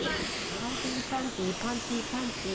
パンティーパンティーパンティーパンティー。